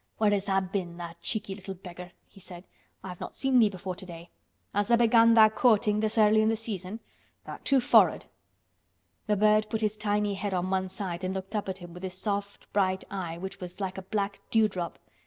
"Where has tha' been, tha' cheeky little beggar?" he said. "I've not seen thee before today. Has tha begun tha' courtin' this early in th' season? Tha'rt too forrad." The bird put his tiny head on one side and looked up at him with his soft bright eye which was like a black dewdrop.